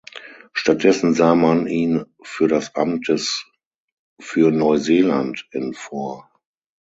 Stattdessen sah man ihn für das Amt des für Neuseeland in vor.